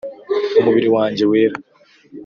umubiri wanjye wera